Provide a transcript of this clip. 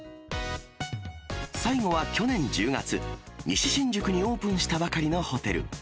最後は去年１０月、西新宿にオープンしたばかりのホテル。